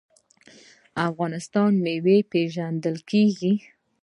افغانستان په میوو پیژندل کیږي.